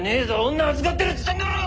女預かってるっつってんだろうが！